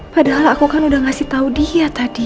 padahal aku kan udah ngasih tau dia tadi